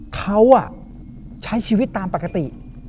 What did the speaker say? เขาใช้ชีวิตตามปกติ